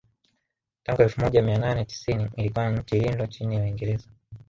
Tangu elfu moja mia nane tisini ilikuwa nchi lindwa chini ya Uingereza